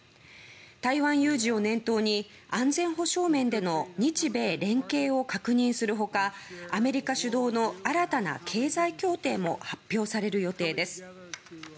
台湾有事を念頭に安全保障面での日米連携を確認する他アメリカ主導の新たな経済協定も発表される予定です。